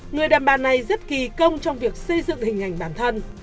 người đàn bà này rất kỳ công trong việc xây dựng hình ảnh bản thân